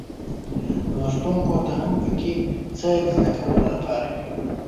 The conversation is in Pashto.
لوستونکو ته هم پکې څه د زده کولو لپاره وي.